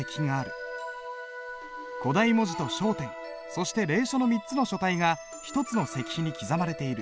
古代文字と小篆そして隷書の３つの書体が１つの石碑に刻まれている。